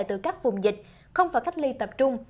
từ các vùng dịch không phải cách ly tập trung